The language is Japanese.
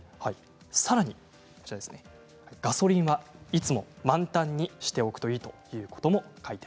さらにガソリンはいつも満タンにしておくといい